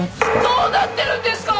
どうなってるんですか！